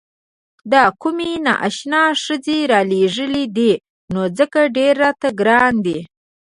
دا کومې نا اشنا ښځې رالېږلي دي نو ځکه ډېر راته ګران دي.